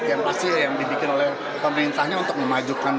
yang rusia yang dibikin oleh pemerintahnya untuk memajukan